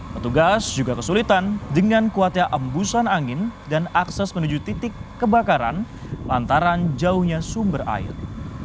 petugas juga kesulitan dengan kuatnya embusan angin dan akses menuju titik kebakaran lantaran jauhnya sumber air